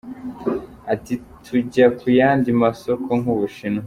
Ati “Tujya ku yandi masoko nk’u Bushinwa.